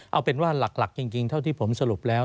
เอาเป็นว่าหลักจริงเท่าที่ผมสรุปแล้ว